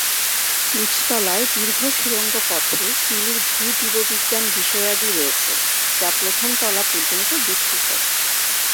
নীচতলায় দীর্ঘ সুড়ঙ্গ পথে চিলির ভূ-জীববিজ্ঞান বিষয়াদি রয়েছে যা প্রথম তলা পর্যন্ত বিস্তৃত।